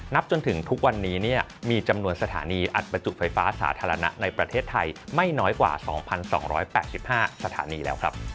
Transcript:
จนถึงทุกวันนี้มีจำนวนสถานีอัดประจุไฟฟ้าสาธารณะในประเทศไทยไม่น้อยกว่า๒๒๘๕สถานีแล้วครับ